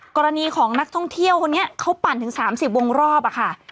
กรณีของนักท่องเที่ยวคนนี้เขาปั่นถึง๓๐วงรอบอะค่ะ